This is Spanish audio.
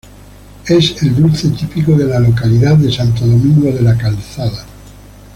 Es el dulce típico de la localidad de Santo Domingo de la Calzada.